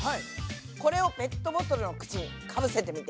これをペットボトルの口にかぶせてみて。